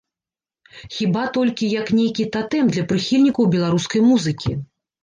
Хіба толькі, як нейкі татэм для прыхільнікаў беларускай музыкі.